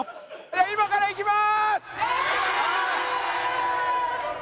今から行きまーす！